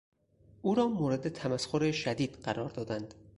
او را مورد تمسخر شدید قرار دادند.